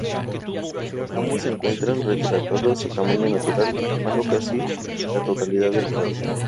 Ambos se encuentran retratados a tamaño natural, ocupando casi la totalidad del cuadro.